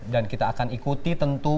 dan kita akan ikuti tentu